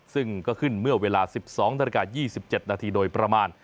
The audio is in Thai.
ซึ่งก็ขึ้นเมื่อเวลา๑๒นาฬิกา๒๗นาทีโดยประมาณ